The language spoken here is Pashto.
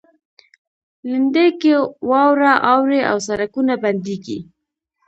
لېندۍ کې واوره اوري او سړکونه بندیږي.